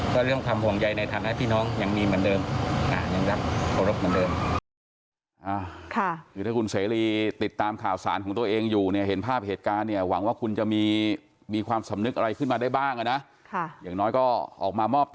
ก็เรียกว่าความห่วงใยในฐานะพี่น้องยังมีเหมือนเดิม